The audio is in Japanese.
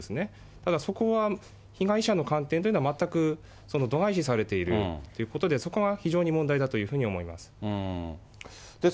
ただ、そこは被害者の観点というのが全く度外視されているということで、そこが非常に問題だというふうに思います。